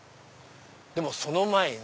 でもその前に。